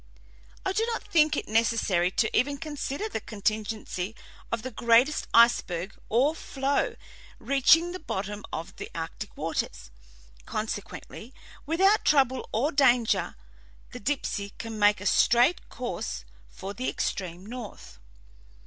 I do not think it necessary to even consider the contingency of the greatest iceberg or floe reaching the bottom of the arctic waters; consequently, without trouble or danger, the Dipsey can make a straight course for the extreme north.